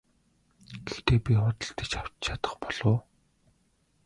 Гэхдээ би худалдаж авч чадах болов уу?